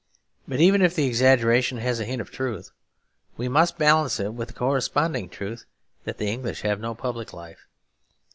But even if the exaggeration has a hint of truth, we must balance it with the corresponding truth; that the English have no public life.